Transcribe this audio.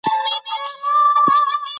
ادیب د مثلثاتو په ژباړه کې تېروتنې کوي.